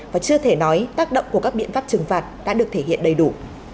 và chưa thể nói tác động của các biện pháp trừng phạt đã được thể hiện đầy đủ